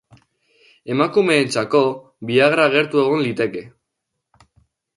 Emakumeentzako viagra gertu egon liteke.